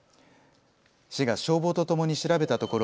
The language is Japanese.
市が消防とともに調べたところ